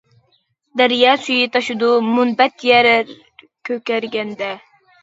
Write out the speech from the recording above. دەريا سۈيى تاشىدۇ، مۇنبەت يەر كۆكەرگەندە.